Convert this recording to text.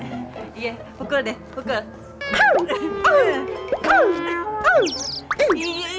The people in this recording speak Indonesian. iya pukul deh pukul